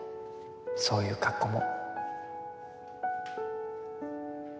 そういう格好も。